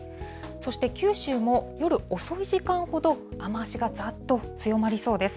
そして九州も、夜遅い時間ほど、雨足がざっと強まりそうです。